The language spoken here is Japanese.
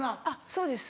そうです。